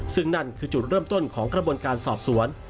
ซึ่งนั่นคือจุดเริ่มต้นของกระบวนการสอบสวน